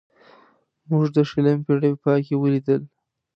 موږ د شلمې پېړۍ په پای کې ولیدل.